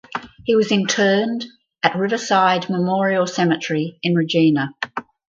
He was interred at Riverside Memorial Park Cemetery in Regina.